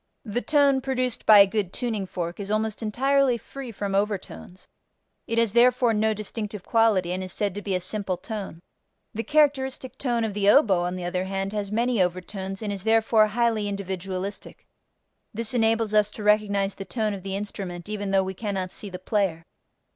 The tone produced by a good tuning fork is almost entirely free from overtones: it has therefore no distinctive quality and is said to be a simple tone. The characteristic tone of the oboe on the other hand has many overtones and is therefore highly individualistic: this enables us to recognize the tone of the instrument even though we cannot see the player.